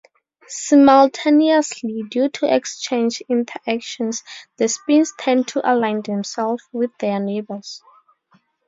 Simultaneously, due to exchange interactions the spins tend to align themselves with their neighbours.